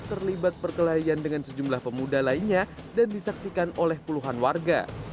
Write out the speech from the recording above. terlibat perkelahian dengan sejumlah pemuda lainnya dan disaksikan oleh puluhan warga